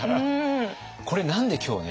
これ何で今日ね